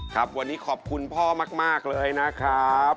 ครับวันนี้ขอบคุณพ่อมากเลยนะครับ